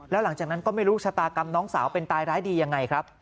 แล้วหลังจากนั้นก็ไม่รู้ชะตากรรมน้องสาวเป็นตายร้ายดียังไงครับ